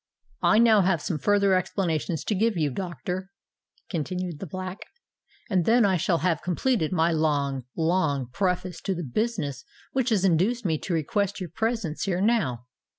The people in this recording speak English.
"I have now some further explanations to give you, doctor," continued the Black; "and then I shall have completed my long, long preface to the business which induced me to request your presence here now.